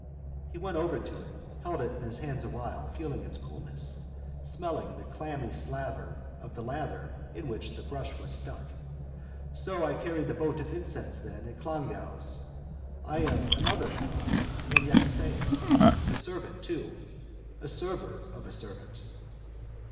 He went over to it, held it in his hands awhile, feeling its coolness, smelling the clammy slaver of the lather in which the brush was stuck. So I carried the boat of incense then at Clongowes. I am another now and yet the same. A servant too. A server of a servant.